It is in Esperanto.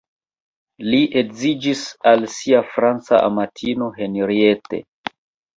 Li edziĝis al sia franca amatino Henriette.